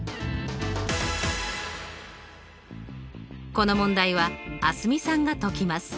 この問題は蒼澄さんが解きます。